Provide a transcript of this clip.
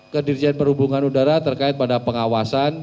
ke dirjen perhubungan udara terkait pada pengawasan